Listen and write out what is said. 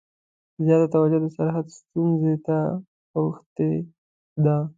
زیاته توجه د سرحد ستونزې ته اوښتې ده.